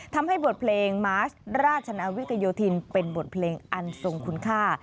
ทำให้บทเพลงมาร์ชราชนาวิกโยธินเป็นบทเพลงอันทรงคุณค่า